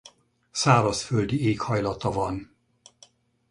Szárazföldi éghajlata van.